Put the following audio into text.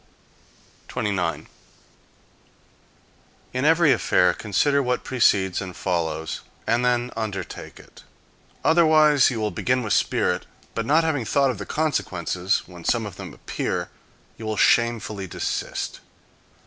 29. In every affair consider what precedes and follows, and then undertake it. Otherwise you will begin with spirit; but not having thought of the consequences, when some of them appear you will shamefully desist.